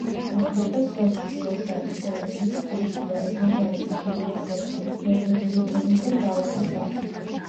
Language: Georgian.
გვხვდება სოჭი, შროშანი, ჩვეულებრივი ფურისულა, ედელვაისი, ბაიასებრნი, როდოდენდრონი და მრავალი სხვა.